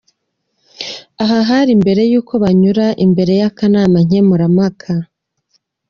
Aha hari mbere y'uko banyura imbere y'akanama nkemurampaka.